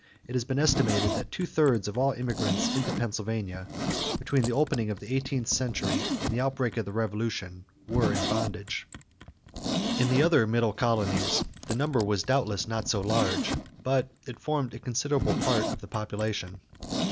It has been estimated that two thirds of all the immigrants into Pennsylvania between the opening of the eighteenth century and the outbreak of the Revolution were in bondage. In the other Middle colonies the number was doubtless not so large; but it formed a considerable part of the population.